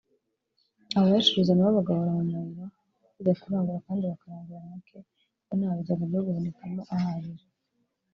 abayacuruza nabo bagahora mu mayira bajya kurangura kandi bakarangura make kuko nta bigega byo guhunikamo ahagije